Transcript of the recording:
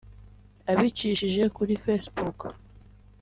Abicishije kuri Facebook